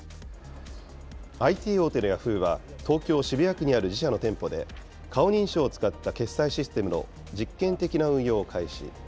ＩＴ大手のヤフーは、東京・渋谷区にある自社の店舗で、顔認証を使った決済システムの実験的な運用を開始。